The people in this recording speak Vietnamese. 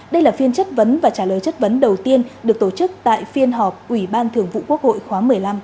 đây là phiên chất vấn và trả lời chất vấn đầu tiên được tổ chức tại phiên họp ủy ban thường vụ quốc hội khóa một mươi năm